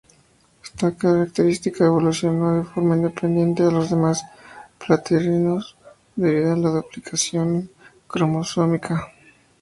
Esta característica evolucionó de forma independiente a los demás platirrinos debido a duplicación cromosómica.